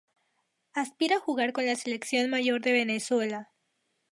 Aspira a jugar con la Selección Mayor de Venezuela.